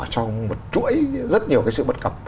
trong một chuỗi rất nhiều cái sự bất cập